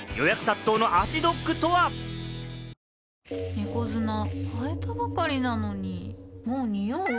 猫砂替えたばかりなのにもうニオう？